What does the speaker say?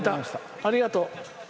ありがとう。